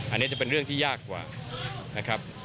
อันนี้จะเป็นเรื่องที่ยากกว่านะครับ